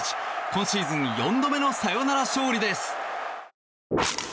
今シーズン４度目のサヨナラ勝利です。